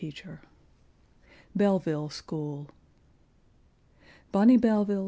[Pg 45] BELLEVILLE SCHOOL. Bonny Belleville!